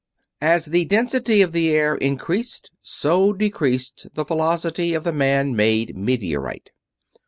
As the density of the air increased so decreased the velocity of the man made meteorite.